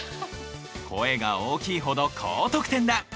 声が大きいほど高得点だ！